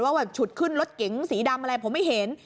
ว่าแบบฉุดขึ้นรถเก๋งสีดำอะไรผมไม่เห็น